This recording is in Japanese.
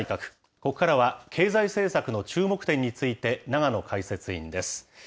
ここからは経済政策の注目点について、永野解説委員です。